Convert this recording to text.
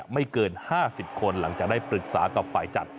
ไม่เกิน๕๐คนหลังจากได้ปรึกษากับฝ่ายจัด